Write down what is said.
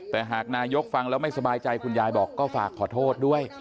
แต่หากนายกฟังแล้วไม่สบายใจคุณยายบอกก็ฝากขอโทษด้วย